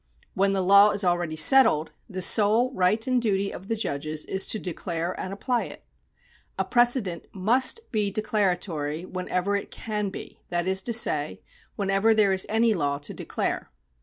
When the law is already settled, the sole right and duty of the judges is to declare and apply it. A precedent must be declaratory whenever it can be, that is to say, whenever there is any law to declare.